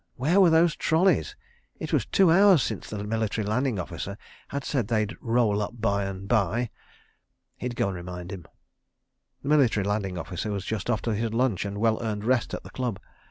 Where were those trolleys? It was two hours since the Military Landing Officer had said they'd "roll up by and by." He'd go and remind him. The Military Landing Officer was just off to his lunch and well earned rest at the Club.